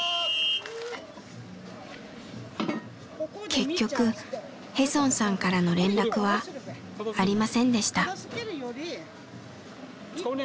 結局ヘソンさんからの連絡はありませんでした。